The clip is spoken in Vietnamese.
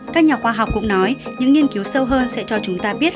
các nhà khoa học cũng nói những nghiên cứu sâu hơn sẽ cho chúng ta biết